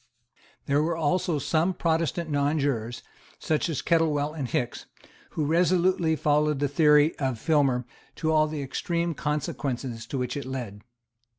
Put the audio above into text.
There were also some Protestant nonjurors, such as Kettlewell and Hickes, who resolutely followed the theory of Filmer to all the extreme consequences to which it led.